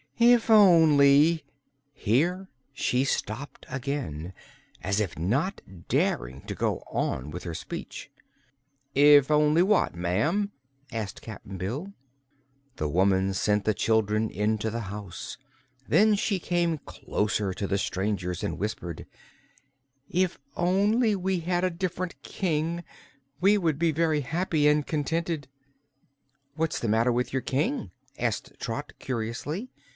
"If only " here she stopped again, as if not daring to go on with her speech. "If only what, ma'am?" asked Cap'n Bill. The woman sent the children into the house. Then she came closer to the strangers and whispered: "If only we had a different King, we would be very happy and contented." "What's the matter with your King?" asked Trot, curiously.